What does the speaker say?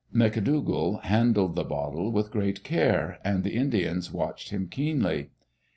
McDougall handled the bottle with great care, and the Indians watched him keenly.